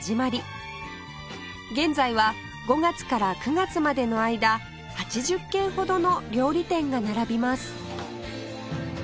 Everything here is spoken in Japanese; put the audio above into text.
現在は５月から９月までの間８０軒ほどの料理店が並びます